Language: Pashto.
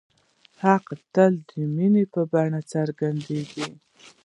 حق تل د مینې په بڼه څرګندېږي.